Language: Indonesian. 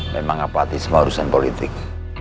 memang ngapati semua urusan politik